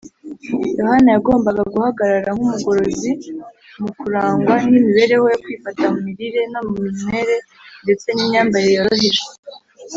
. Yohana yagombaga guhagarara nk’umugorozi. Mu kurangwa n’imibereho yo kwifata mu mirire no mu minywere ndetse n’imyambarire yoroheje